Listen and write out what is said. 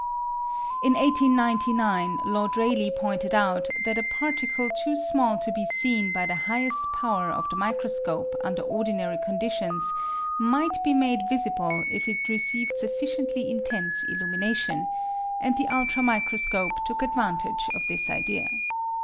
In 1899 Lord Rayleigh pointed out that a particle too small to be seen by the highest power of the microscope under ordinary conditions might be made visible if it received sufficiently intense illumination; and the ultra microscope took advantage of this idea.